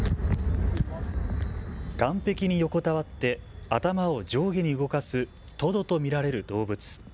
岸壁に横たわって頭を上下に動かすトドと見られる動物。